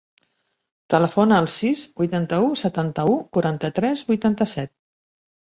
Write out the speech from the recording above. Telefona al sis, vuitanta-u, setanta-u, quaranta-tres, vuitanta-set.